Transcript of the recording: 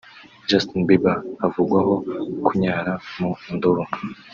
Justin Bieber avugwaho kunyara mu ndobo